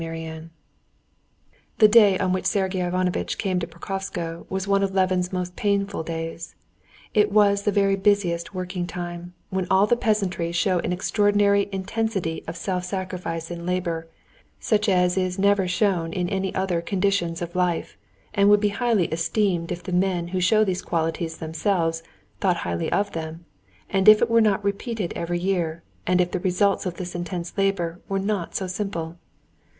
Chapter 11 The day on which Sergey Ivanovitch came to Pokrovskoe was one of Levin's most painful days. It was the very busiest working time, when all the peasantry show an extraordinary intensity of self sacrifice in labor, such as is never shown in any other conditions of life, and would be highly esteemed if the men who showed these qualities themselves thought highly of them, and if it were not repeated every year, and if the results of this intense labor were not so simple.